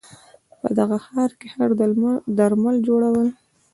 په دغه ښار کې ښه درمل جوړول